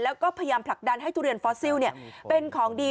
แล้วก็พยายามผลักดันให้ทุเรียนฟอสซิลเป็นของดี